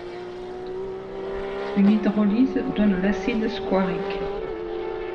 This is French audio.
Une hydrolyse donne l'acide squarique.